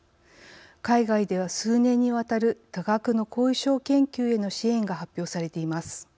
海外では、数年にわたる多額の後遺症研究への支援が発表されています。